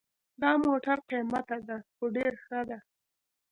دا موټر قیمته ده خو ډېر ښه ده